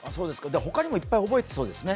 ほかにもいっぱい覚えてそうですね。